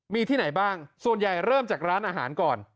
มีที่ไหนบ้างส่วนใหญ่เริ่มจากร้านอาหารก่อน